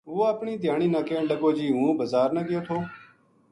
وہ اپنی دھیانی نا کہن لگو جی ہوں بزار نا گیو تھو